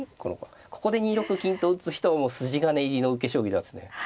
ここで２六金と打つ人はもう筋金入りの受け将棋ですね。